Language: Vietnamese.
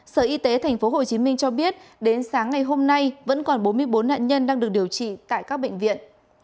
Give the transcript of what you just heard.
sở y tế tp hcm cho biết đến sáng ngày hôm nay vẫn còn bốn mươi bốn nạn nhân đang được điều trị tại các bệnh viện